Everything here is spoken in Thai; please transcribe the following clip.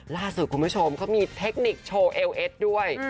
ล่าสุดคุณผู้ชมเขามีเทคนิคโชว์เอลเอ็ดด้วย